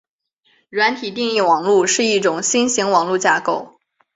软体定义网路是一种新型网络架构。